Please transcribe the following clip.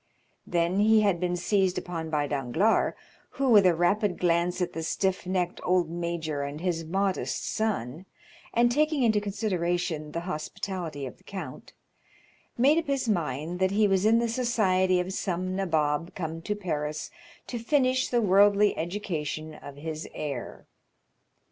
Then he had been seized upon by Danglars, who, with a rapid glance at the stiff necked old major and his modest son, and taking into consideration the hospitality of the count, made up his mind that he was in the society of some nabob come to Paris to finish the worldly education of his heir.